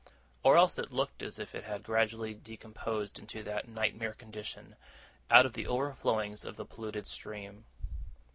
Or else it looked as if it had gradually decomposed into that nightmare condition, out of the overflowings of the polluted stream.